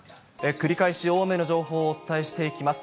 繰り返し大雨の情報をお伝えしていきます。